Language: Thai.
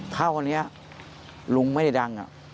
คราวนี้ลุงไม่ได้ดัง